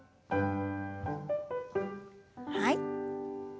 はい。